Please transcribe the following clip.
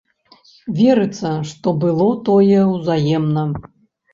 Верыцца, што было тое ўзаемна.